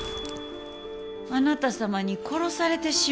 あなた様に殺されてしもうた。